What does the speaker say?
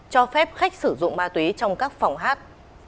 cho phép khách sử dụng ma túy trong các phòng hát